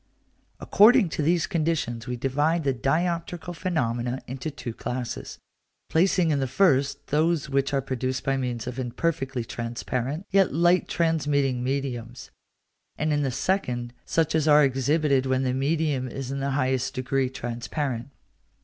According to these conditions we divide the dioptrical phenomena into two classes, placing in the first those which are produced by means of imperfectly transparent, yet light transmitting mediums; and in the second such as are exhibited when the medium is in the highest degree transparent.